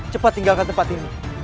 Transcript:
cepat tinggalkan tempat ini